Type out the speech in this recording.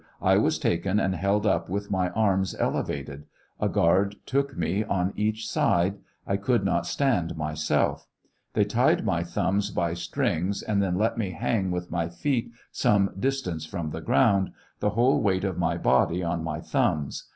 I was taken and held up with my arms elevated ; a guard took me on each side ; I could not stand myself ; they tied my thumbs by strings, and then let me hang with my feet some distance from the ground, the whole weight of my body on my thumbs.